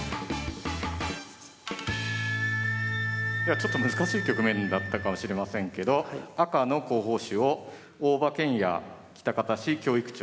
ちょっと難しい局面だったかもしれませんけど赤の候補手を大場健哉喜多方市教育長。